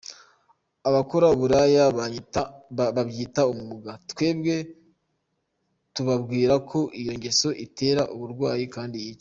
Abakora uburaya babyita umwuga, twebwe tubabwira ko iyo ngeso itera uburwayi kandi yica